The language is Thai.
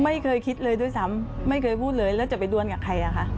ไม่เคยคิดเลยด้วยซ้ำไม่เคยพูดเลยแล้วจะไปดวนกับใครอ่ะคะ